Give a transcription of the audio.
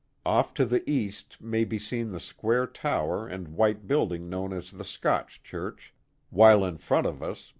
Off to the east may be seen the square tower and white building known as the Scotch Church, while in front of us.